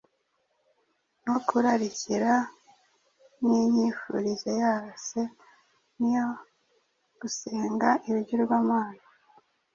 no kurarikira, n’imyifurize yose, ni yo gusenga ibigirwamana: